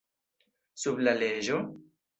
Sub la leĝo?